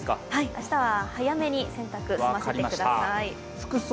明日は早めに洗濯、済ませてください。